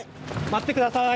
待ってください。